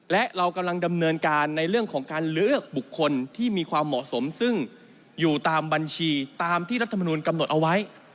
และเรากำลังดำเนินการในเรื่องของการเลือกบุคคลที่มีความเหมาะสมซึ่งอยู่ตามบัญชีตามที่รัฐมนุนกำหนดเอาไว้